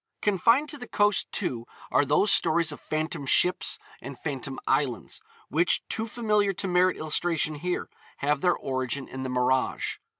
Confined to the coast, too, are those stories of phantom ships and phantom islands which, too familiar to merit illustration here, have their origin in the mirage.